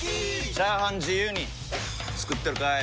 チャーハン自由に作ってるかい！？